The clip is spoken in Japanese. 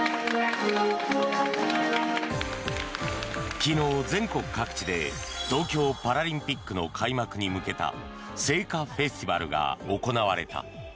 昨日、全国各地で東京パラリンピックの開幕に向けた聖火フェスティバルが行われた。